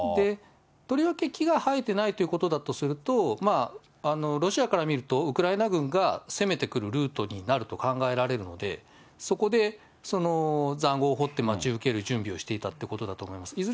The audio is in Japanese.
とりわけ木が生えてないということだとすると、ロシアから見ると、ウクライナ軍が攻めてくるルートになると考えられるので、そこで塹壕を掘って待ち受ける準備をしていたということだと思います。